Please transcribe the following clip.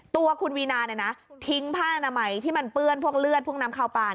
ตัวคุณวีนานะทิ้งผ้าน้ำไม้ที่มันเปื้อนพวกเลือดพวกน้ำขาวปลา